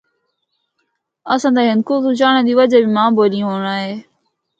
اساں دا ہندکو کو چاہڑاں دی وجہ ماں بولی ہونڑا اے۔